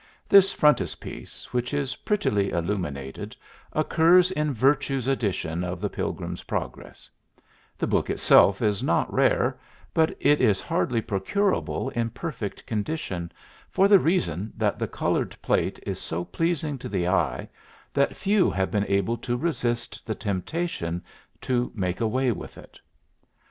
This frontispiece, which is prettily illuminated, occurs in Virtue's edition of the "Pilgrim's Progress"; the book itself is not rare, but it is hardly procurable in perfect condition, for the reason that the colored plate is so pleasing to the eye that few have been able to resist the temptation to make away with it.